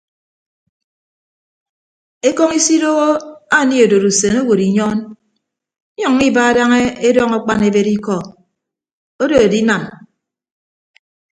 Ekọñ isidooho anie odod usen owod inyọọn inyʌññọ iba daña edọñ akpan ebed ikọ odo edinam.